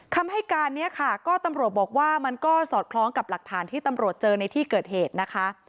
คำให้การนี้ค่ะก็ตำรวจบอกว่ามันก็สอดคล้องกับหลักฐานที่ตำรวจเจอในที่เกิดเหตุนะคะ